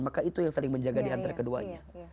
maka itu yang saling menjaga diantara keduanya